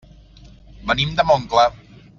Venim de Montclar.